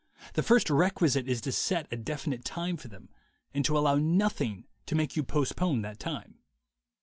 The first requisite is to set a definite time for them, and to allow nothing to make you postpone that time.